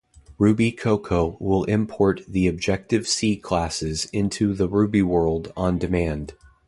RubyCocoa will import the Objective-C classes into the Ruby world on demand.